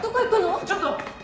ちょっと！